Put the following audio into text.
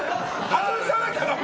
外さなきゃダメ？